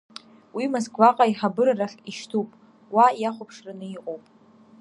Уи Москваҟа аиҳабыра рахь ишьҭуп, уа иахәаԥшраны иҟоуп…